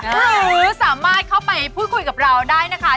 หรือสามารถเข้าไปพูดคุยกับเราได้นะคะ